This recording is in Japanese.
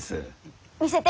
見せて。